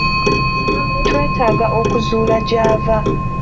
twetaaga okuzuula gy'ava.